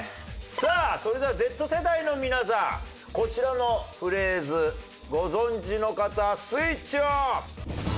さあそれではＺ世代の皆さんこちらのフレーズご存じの方スイッチオン！